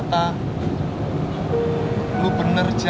sampai jumpa di video selanjutnya